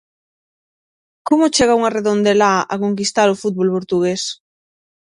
Como chega unha redondelá a conquistar o fútbol portugués?